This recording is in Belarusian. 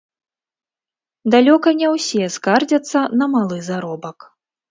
Далёка не ўсе скардзяцца на малы заробак.